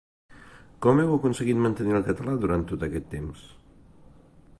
I com heu aconseguit mantenir el català durant tot aquest temps?